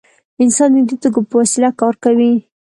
انسان د دې توکو په وسیله کار کوي.